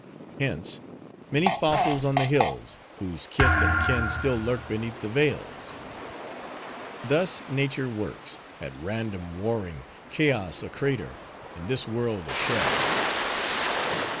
Hence many fossils on the hills, whose kith and kin still lurk beneath the vales. Thus Nature works, at random warring, chaos a crater, and this world a shell."